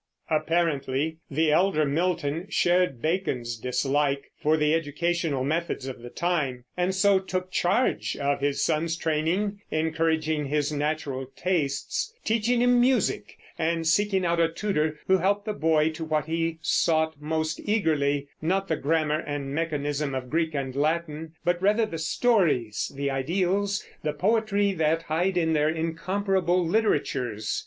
Apparently the elder Milton shared Bacon's dislike for the educational methods of the time and so took charge of his son's training, encouraging his natural tastes, teaching him music, and seeking out a tutor who helped the boy to what he sought most eagerly, not the grammar and mechanism of Greek and Latin but rather the stories, the ideals, the poetry that hide in their incomparable literatures.